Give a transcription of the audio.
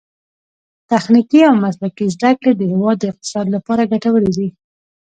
تخنیکي او مسلکي زده کړې د هیواد د اقتصاد لپاره ګټورې دي.